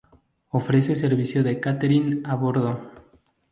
Ofrece servicio de cáterin a bordo.